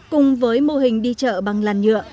cùng với mô hình đi chợ bằng làn nhựa